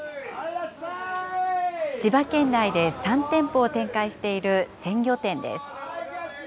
千葉県内で３店舗を展開している鮮魚店です。